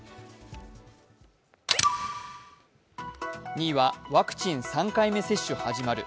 ２位はワクチン３回目接種始まる。